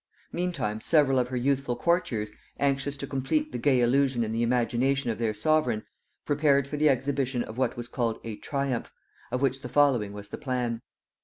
Meantime several of her youthful courtiers, anxious to complete the gay illusion in the imagination of their sovereign, prepared for the exhibition of what was called a triumph, of which the following was the plan.